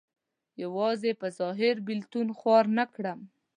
یوازې په ظاهر بېلتون خوار نه کړم.